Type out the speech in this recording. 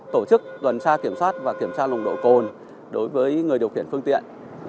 tổ chức tuần tra kiểm soát và kiểm tra nồng độ cồn đối với người điều khiển phương tiện